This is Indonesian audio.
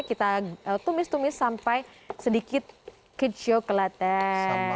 kita tumis tumis sampai sedikit kecoklatan